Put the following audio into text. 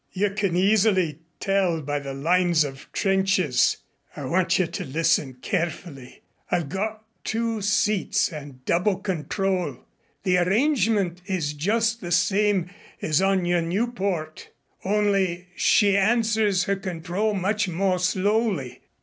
You can easily tell by the lines of trenches. I want you to listen carefully. I've got two seats and double control. The arrangement is just the same as on your Nieuport, only she answers her control much more slowly.